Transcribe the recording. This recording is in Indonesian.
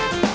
ya itu dia